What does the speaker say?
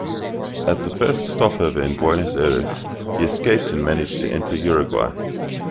At the first stopover in Buenos Aires he escaped and managed to enter Uruguay.